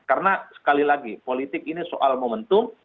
karena sekali lagi politik ini soal momentum